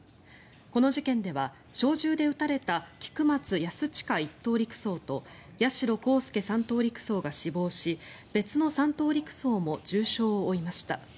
この事件では、小銃で撃たれた菊松安親１等陸曹と八代航佑３等陸曹が死亡し別の３等陸曹も重傷を負いました。